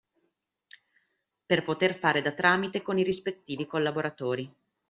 Per poter fare da tramite con i rispettivi collaboratori.